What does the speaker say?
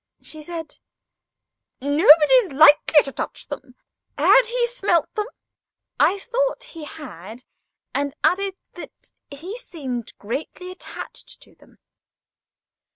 She said: "Nobody's likely to touch them. Had he smelt them?" I thought he had, and added that he seemed greatly attached to them.